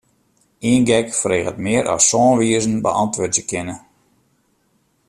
Ien gek freget mear as sân wizen beäntwurdzje kinne.